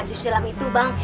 kayak haji sulam itu bang